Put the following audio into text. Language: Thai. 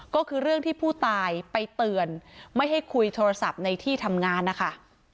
ก็คือเรื่องที่ผู้ตายไปเตือนไม่ให้คุยโทรศัพท์ในที่ทำงานนะคะ